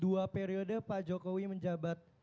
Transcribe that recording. dua periode pak jokowi menjabat